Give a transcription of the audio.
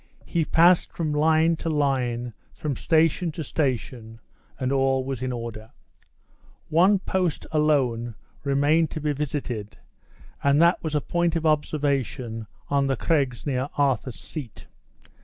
He passed from line to line, from station to station, and all was in order. One post alone remained to be visited, and that was a point of observation on the craigs near Arthur's Seat.